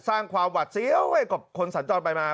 สร้างความหวัดเสียวให้กับคนสัญจรไปมา